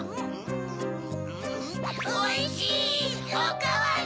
おいしい！おかわり！